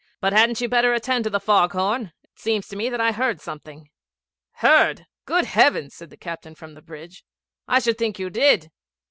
'But hadn't you better attend to the fog horn? It seems to me that I heard something.' 'Heard! Good heavens!' said the captain from the bridge, 'I should think you did.'